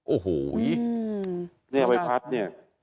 โอ้โหเนี่ยใบพัดเนี่ย